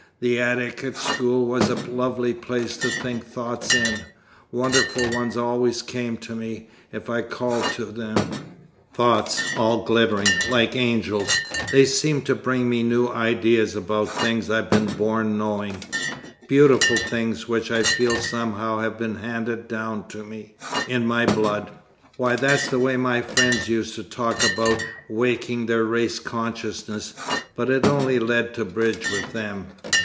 The attic at school was a lovely place to think thoughts in. Wonderful ones always came to me, if I called to them thoughts all glittering like angels. They seemed to bring me new ideas about things I'd been born knowing beautiful things, which I feel somehow have been handed down to me in my blood." "Why, that's the way my friends used to talk about 'waking their race consciousness.' But it only led to bridge, with them."